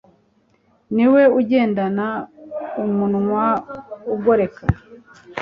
Ni we ugendana umunwa ugoreka